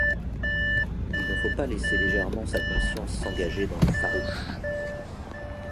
Il ne faut pas laisser légèrement sa conscience s’engager dans le farouche.